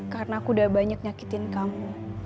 kalau dia udah nyakitin kamu